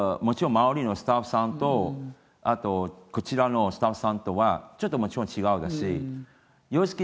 もちろん周りのスタッフさんとあとこちらのスタッフさんとはちょっともちろん違うですし違う？